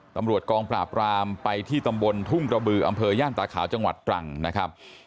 ตำรวจกองปราบรามไปที่ตำบลทุ่งกระบืออำเภอย่านตาขาวจังหวัดตรังนะครับ